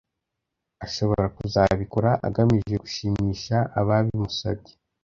ashobora kuzabikora agamije gushimisha ababimusabye